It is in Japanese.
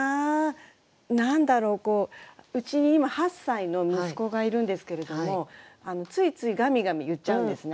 何だろううちに今８歳の息子がいるんですけれどもついついガミガミ言っちゃうんですね